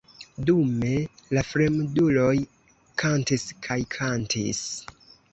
Dume, la fremduloj kantis kaj kantis.